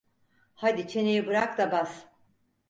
Hadi çeneyi bırak da bas!